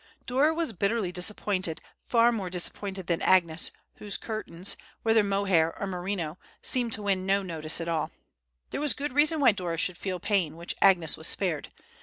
Dora was bitterly disappointed, far more disappointed than Agnes, whose curtains, whether mohair or merino, seemed to win no notice at all. There was good reason why Dora should feel pain which Agnes was spared.